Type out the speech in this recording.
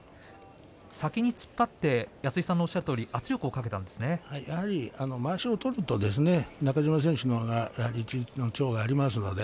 先に突っ張って安井さんのおっしゃるとおりやはり、まわしを取ると中島選手の方が一日の長があります。